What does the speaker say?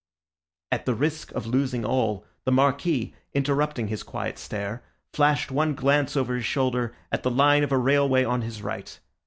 At the risk of losing all, the Marquis, interrupting his quiet stare, flashed one glance over his shoulder at the line of railway on his right.